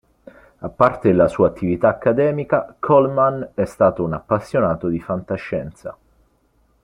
A parte la sua attività accademica, Coleman è stato un appassionato di fantascienza.